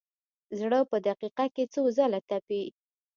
زړه په دقیقه کې څو ځله تپي.